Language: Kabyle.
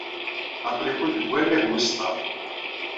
Aql-ikent deg wannag wis ṭam.